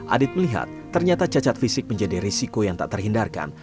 adit melihat ternyata cacat fisik menjadi risiko yang tak terhindarkan